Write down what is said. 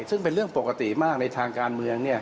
ซึ่งเป็นเรื่องปกติมากในทางการเมือง